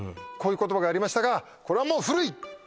こういう言葉がありましたがこれはもう古い！